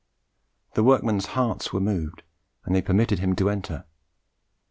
The workmen's hearts were moved, and they permitted him to enter.